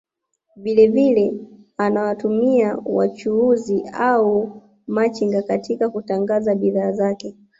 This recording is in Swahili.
Vile vile anawatumia wachuuzi au machinga katika kutangaza bidhaa zake